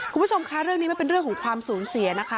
คุณผู้ชมคะเรื่องนี้มันเป็นเรื่องของความสูญเสียนะคะ